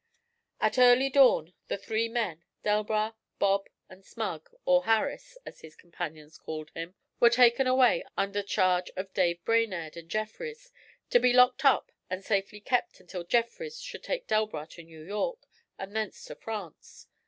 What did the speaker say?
At early dawn the three men, Delbras, Bob, and Smug, or Harris, as his companions called him, were taken away under charge of Dave Brainerd and Jeffrys, to be locked up and safely kept until Jeffrys should take Delbras to New York, and thence to France.